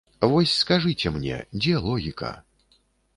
Вось скажыце мне, дзе логіка?